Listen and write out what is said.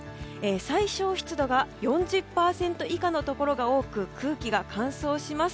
最小湿度が４０％以下のところが多く空気が乾燥します。